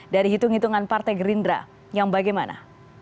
dari hitung hitungan partai gerindra yang bagaimana